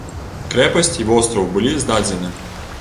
Крэпасць і востраў былі здадзены.